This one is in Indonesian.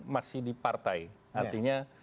masih di partai artinya